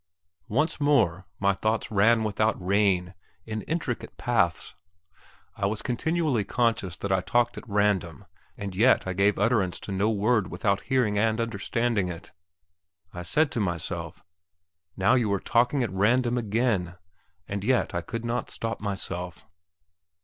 Once more my thoughts ran without rein in intricate paths. I was continually conscious that I talked at random, and yet I gave utterance to no word without hearing and understanding it. I said to myself, "Now you are talking at random again," and yet I could not help myself.